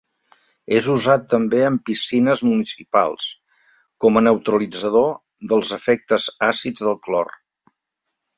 És usat també en piscines municipals com a neutralitzador dels efectes àcids del clor.